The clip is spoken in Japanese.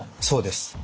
そうです。